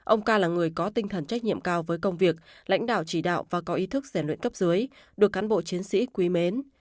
ông ca là người có tinh thần trách nhiệm cao với công việc lãnh đạo chỉ đạo và có ý thức rèn luyện cấp dưới được cán bộ chiến sĩ quý mến